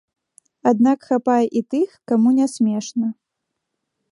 Аднак хапае і тых, каму не смешна.